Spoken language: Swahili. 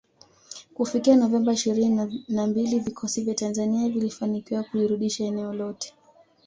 Kufifikia Novemba ishirini na mbili vikosi vya Tanzania vilifanikiwa kulirudisha eneo lote